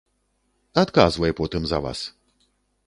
Адказвай потым за вас.